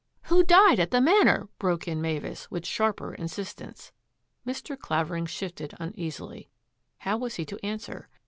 " Who died at the Manor? " broke in Mavis, with sharper insistence. Mr. Clavering shifted uneasily. How was he to answer?